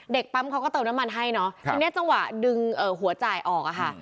ปั๊มเขาก็เติมน้ำมันให้เนอะทีนี้จังหวะดึงหัวจ่ายออกอะค่ะ